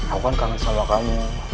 aku kan kangen sama kami